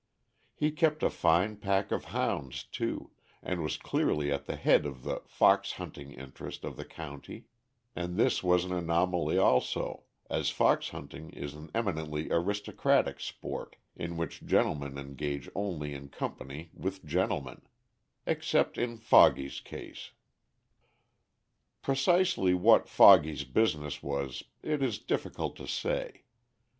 He kept a fine pack of hounds too, and was clearly at the head of the "fox hunting interest" of the county; and this was an anomaly also, as fox hunting is an eminently aristocratic sport, in which gentlemen engage only in company with gentlemen except in "Foggy's" case. [Illustration: "FOGGY."] Precisely what "Foggy's" business was it is difficult to say.